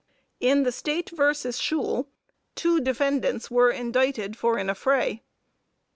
In the State vs. Shule, two defendants were indicted for an affray.